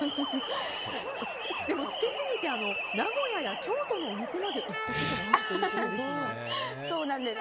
でも好きすぎて名古屋や京都のお店まで行ったことがあると。